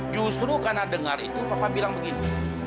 justru karena dengar itu papa bilang begini